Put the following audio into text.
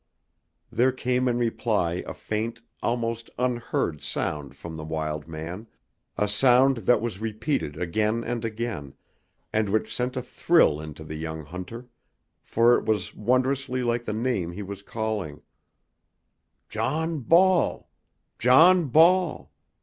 There came in reply a faint, almost unheard sound from the wild man, a sound that was repeated again and again, and which sent a thrill into the young hunter, for it was wondrously like the name he was calling: "John Ball! John Ball!